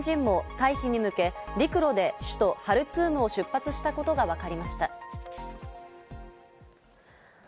一部の日本人も退避に向け、陸路で首都ハルツームを出発したことがわかりました。